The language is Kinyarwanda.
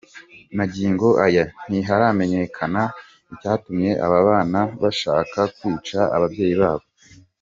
Magingo aya ntiharamenyekana icyatumye aba bana bashaka kwica ababyeyi babo.